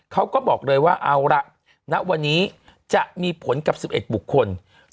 เขาก็บอกเลยว่าเอาละณวันนี้จะมีผลกับ๑๑บุคคล